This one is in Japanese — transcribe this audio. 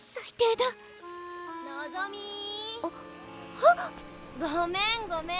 はっ！ごめんごめん。